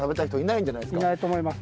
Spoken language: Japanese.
いないと思います。